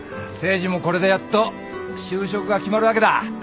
誠治もこれでやっと就職が決まるわけだ。